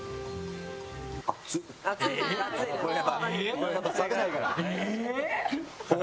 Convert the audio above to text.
これやっぱ冷めないから。